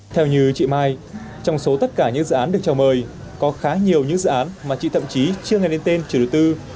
theo như chị mai trong số tất cả những dự án được chào mời có khá nhiều những dự án mà chị thậm chí chưa nghe đến tên chủ đầu tư